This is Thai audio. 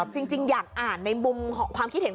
จริงอยากอ่านในมุมของความคิดเห็น